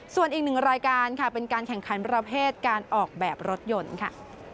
ส่วนอีกหนึ่งรายการค่ะเป็นการแข่งขันประเภทการออกแบบรถยนต์ค่ะ